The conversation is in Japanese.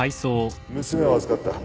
娘を預かった。